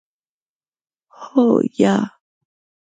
هو 👍 یا 👎